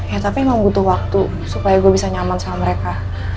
ya tapi emang butuh waktu supaya gue bisa nyaman sama mereka